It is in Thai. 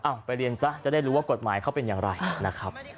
ไปเรียนซะจะได้รู้ว่ากฎหมายเขาเป็นอย่างไรนะครับ